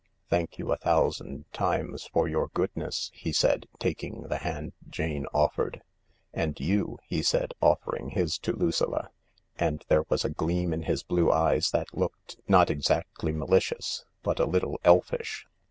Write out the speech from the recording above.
"Thank you a thousand times for your goodness," he said, taking the hand Jane offered. " And you," he said, offering his to Lucilla — and there was a gleam in his blue eyes that looked not exactly malicious, but a little elfish.